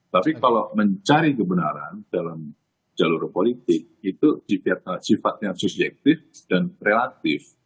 tapi kalau mencari kebenaran dalam jalur politik itu sifatnya subjektif dan relatif